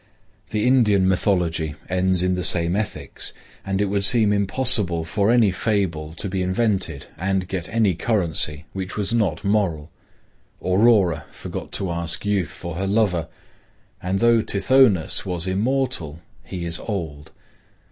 The Indian mythology ends in the same ethics; and it would seem impossible for any fable to be invented and get any currency which was not moral. Aurora forgot to ask youth for her lover, and though Tithonus is immortal, he is old.